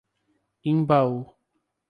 Imbaú